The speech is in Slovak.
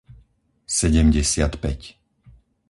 sedemdesiatpäť